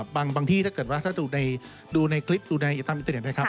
บางที่ถ้าเกิดว่าถ้าดูในคลิปดูในอินเตอร์เน็ตนะครับ